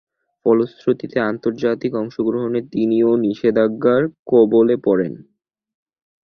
ফলশ্রুতিতে আন্তর্জাতিক অংশগ্রহণে তিনিও নিষেধাজ্ঞার কবলে পড়েন।